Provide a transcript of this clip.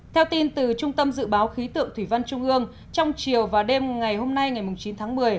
theo tin từ trung tâm dự báo khí tượng thủy văn trung ương trong chiều và đêm ngày hôm nay ngày chín tháng một mươi